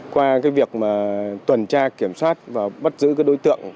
qua việc tuần tra kiểm soát và bắt giữ đối tượng